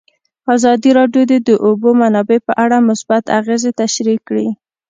ازادي راډیو د د اوبو منابع په اړه مثبت اغېزې تشریح کړي.